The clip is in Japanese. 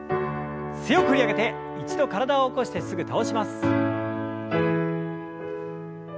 強く振り上げて一度体を起こしてすぐ倒します。